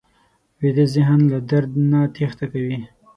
ویده ذهن له درد نه تېښته کوي